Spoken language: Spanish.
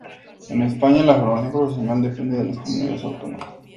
En España la formación profesional depende de las comunidades autónomas.